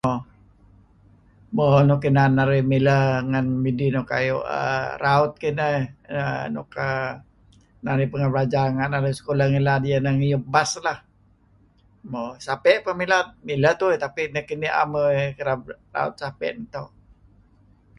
Mo nuk inan narih mileh ngen midih nuk kayu' aaa... raut kineh err... nuk narih pengeh belajar narih sekulah ngilad ieh ineh ngiup bas lah. Mo, Sapey' peh ngilad, mileh tuih tapi nekinih 'em uih mileh raut sapey' neto'.